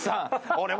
俺。